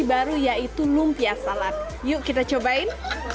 ini baru yaitu lumpia salad yuk kita cobain